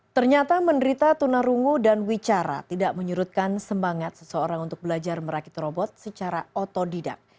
ternyata menderita tunarungu dan wicara tidak menyurutkan semangat seseorang untuk belajar merakit robot secara otodidak